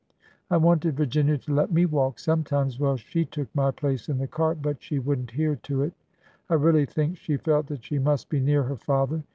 I wanted Virginia to let me walk sometimes while she took my place in the cart, but she would n't hear to it. I really think she felt that she must be near her father.